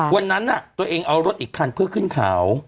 ก่อนน้องเขาจะถนนอ่ะ